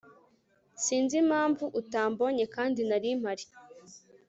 sinzi impamvu utambonye kandi narimpari